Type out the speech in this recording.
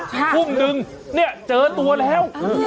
ภูมิหนึ่งเจอตัวแล้ว